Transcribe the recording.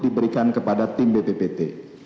diberikan kepada tim bppt